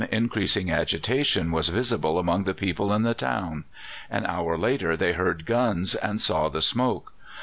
increasing agitation was visible among the people in the town. An hour later they heard guns and saw the smoke.